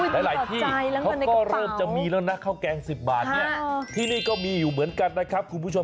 หลายที่เขาก็เริ่มจะมีแล้วนะข้าวแกง๑๐บาทเนี่ยที่นี่ก็มีอยู่เหมือนกันนะครับคุณผู้ชม